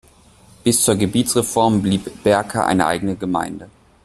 Bis zur Gebietsreform blieb Berka eine eigene Gemeinde.